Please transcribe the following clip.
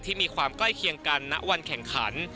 มีความใกล้เคียงกันณวันแข่งขัน